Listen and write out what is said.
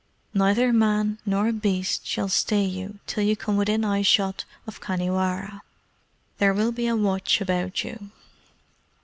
Neither man nor beast shall stay you till you come within eye shot of Khanhiwara. There will be a watch about you."